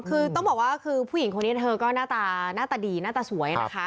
คือต้องบอกว่าคือผู้หญิงคนนี้เธอก็หน้าตาหน้าตาดีหน้าตาสวยนะคะ